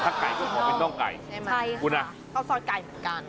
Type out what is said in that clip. ถ้าไก่ก็ผมเป็นน้องไก่ใช่ไหมคุณอะเอาซอสไก่เข้ากัน